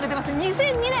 ２００２年。